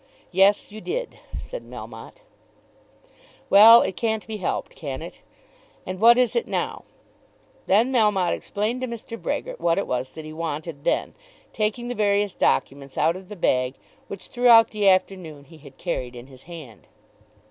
"Yes, you did," said Melmotte. "Well; it can't be helped; can it? And what is it now?" Then Melmotte explained to Mr. Brehgert what it was that he wanted then, taking the various documents out of the bag which throughout the afternoon he had carried in his hand.